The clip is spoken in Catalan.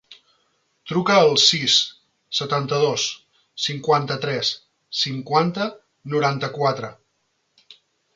Truca al sis, setanta-dos, cinquanta-tres, cinquanta, noranta-quatre.